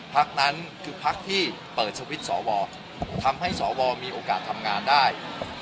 พักนั้นคือพักที่เปิดสวิตช์สวทำให้สวมีโอกาสทำงานได้